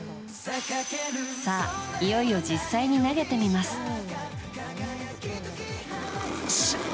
さあ、いよいよ実際に投げてみます。